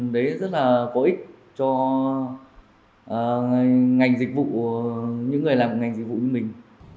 để hỗ trợ người dân du khách